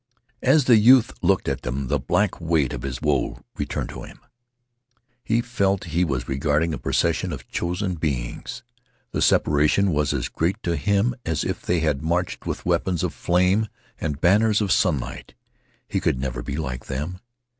As the youth looked at them the black weight of his woe returned to him. He felt that he was regarding a procession of chosen beings. The separation was as great to him as if they had marched with weapons of flame and banners of sunlight. He could never be like them.